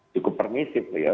cukup permisif gitu ya